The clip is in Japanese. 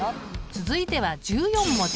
続いては１４文字。